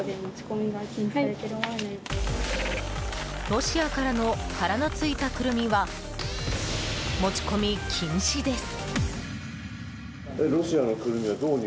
ロシアからの殻の付いたクルミは持ち込み禁止です。